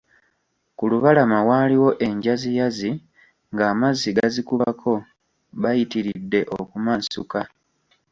Ku lubalama waaliwo enjaziyazi ng'amazzi agazikubako Bayitiridde okumansuka.